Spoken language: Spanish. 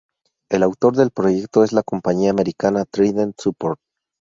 El autor del proyecto es la compañía americana Trident Support.